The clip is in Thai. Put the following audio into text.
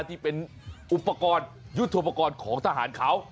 ที่เป็นอุปกรณ์ยุทธโปรกรณ์ของทหารเขา